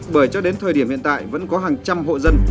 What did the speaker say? bởi cho đến thời điểm hiện tại vẫn có hàng trăm hộ dân